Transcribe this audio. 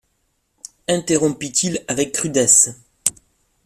Interrompit-il avec rudesse.